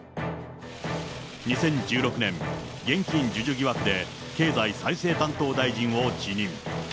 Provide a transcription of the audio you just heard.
２０１６年、現金授受疑惑で経済再生担当大臣を辞任。